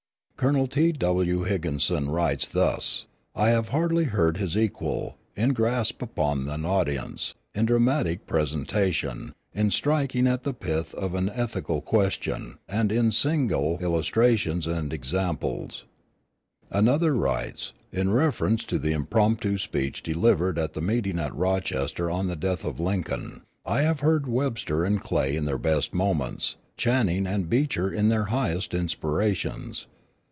Colonel T.W. Higginson writes thus: "I have hardly heard his equal, in grasp upon an audience, in dramatic presentation, in striking at the pith of an ethical question, and in single [signal] illustrations and examples." Another writes, in reference to the impromptu speech delivered at the meeting at Rochester on the death of Lincoln: "I have heard Webster and Clay in their best moments, Channing and Beecher in their highest inspirations.